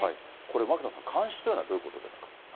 これ牧野さん、監視というのはどういうことですか。